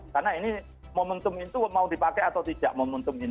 karena ini momentum itu mau dipakai atau tidak momentum ini